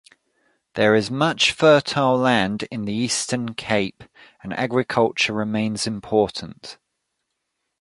There is much fertile land in the Eastern Cape, and agriculture remains important.